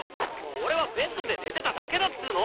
俺はベッドで寝てただけだっつの！